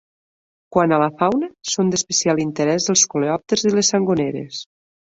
Quant a la fauna, són d'especial interès els coleòpters i les sangoneres.